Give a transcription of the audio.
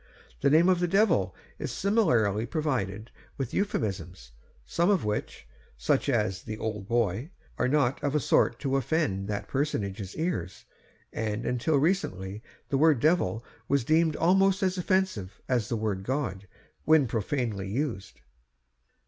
The name of the devil is similarly provided with euphemisms, some of which such as the Old Boy are not of a sort to offend that personage's ears; and until recently the word devil was deemed almost as offensive as the word God, when profanely used.